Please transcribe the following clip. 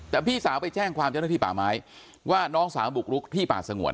แต่พี่สาวไปแจ้งความเจ้าหน้าที่ป่าไม้ว่าน้องสาวบุกลุกที่ป่าสงวน